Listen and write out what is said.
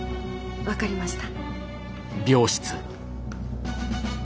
分かりました。